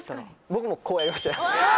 僕もこうやりました。